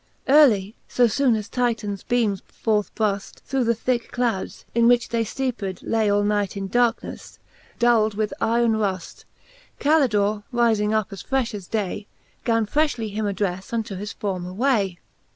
Earely,{b Ibone as 7///3!///beames forth bruft: Through the thicke clouds, in which they fteeped lay All night in darkeneile, duld with yron ruft, Calidore riling up as frefh as day, Gan frelhly him addrelle unto his former way.